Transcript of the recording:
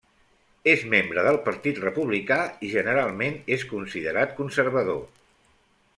És membre del Partit Republicà, i generalment és considerat conservador.